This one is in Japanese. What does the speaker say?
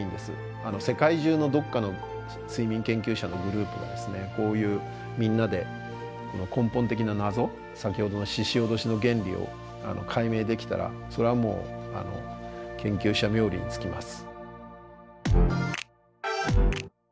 世界中のどっかの睡眠研究者のグループがですねこういうみんなで根本的な謎先ほどのししおどしの原理を解明できたらそりゃもう研究者冥利に尽きます。